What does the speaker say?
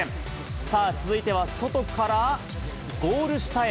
さあ、続いては外から、ゴール下へ。